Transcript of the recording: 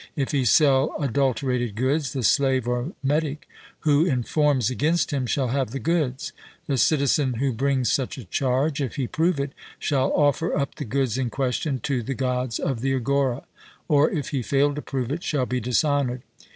If he sell adulterated goods, the slave or metic who informs against him shall have the goods; the citizen who brings such a charge, if he prove it, shall offer up the goods in question to the Gods of the agora; or if he fail to prove it, shall be dishonoured.